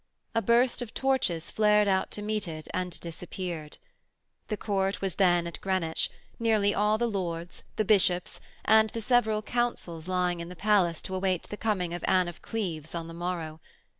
A burst of torches flared out to meet it and disappeared. The Court was then at Greenwich, nearly all the lords, the bishops and the several councils lying in the Palace to await the coming of Anne of Cleves on the morrow.